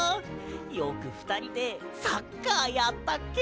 よくふたりでサッカーやったっけ。